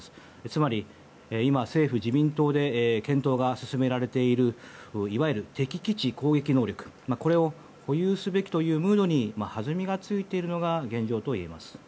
つまり今、政府・自民党で検討が進められているいわゆる敵基地攻撃能力これを保有すべきというムードに弾みがついているのが現状といえます。